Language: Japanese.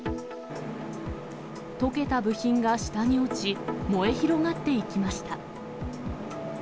溶けた部品が下に落ち、燃え広がっていきました。